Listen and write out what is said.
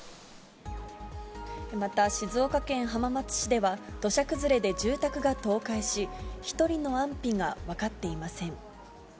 また静岡県浜松市では、土砂崩れで住宅が倒壊し、１人の安否が分かっていません。